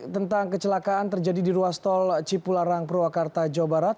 tentang kecelakaan terjadi di ruas tol cipularang purwakarta jawa barat